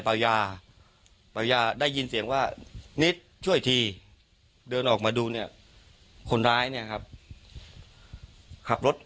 ป่ายาป่ายาได้ยินเสียงว่านิดช่วยทีเดินออกมาดูเนี่ยคนร้ายเนี่ยครับขับรถ